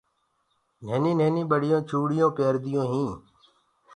ننيني ٻچونٚ چوُڙيونٚ پيرديونٚ هينٚ۔